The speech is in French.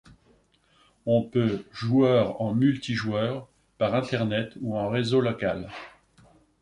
On peut joueur en multijoueur par internet ou en réseau local.